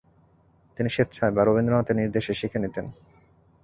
তিনি স্বেচ্ছায় বা রবীন্দ্রনাথের নির্দেশে শিখে নিতেন।